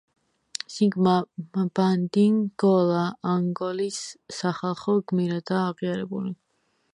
ზინგა მბანდი ნგოლა ანგოლის სახალხო გმირადაა აღიარებული.